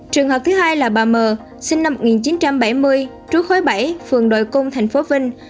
trường hợp thứ hai là bà m sinh năm một nghìn chín trăm bảy mươi trú khói bảy phường đội cung thành phố vinh